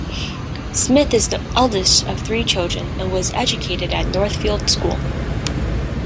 Smith is the eldest of three children, and was educated at Northfield School.